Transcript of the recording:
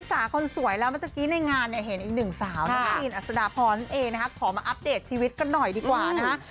สาวกรีนอสดาพรเองนะครับขอมาอัพเดทชีวิตกันหน่อยดีกว่านะครับ